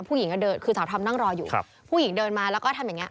เดินคือสาวธอมนั่งรออยู่ผู้หญิงเดินมาแล้วก็ทำอย่างเง